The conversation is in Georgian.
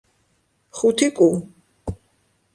ხუთი კუ.